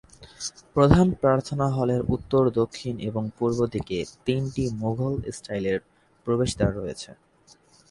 প্রধান প্রার্থনা হলের উত্তর, দক্ষিণ এবং পূর্ব দিকে তিনটি মুঘল স্টাইলের প্রবেশদ্বার রয়েছে।